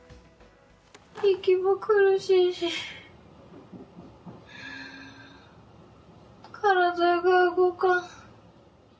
息も苦しいし、体が動かん。